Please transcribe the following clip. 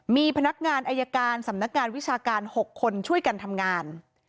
มีพนักงานอายการสำนักงานวิชาการ๖คนช่วยกันทำงาน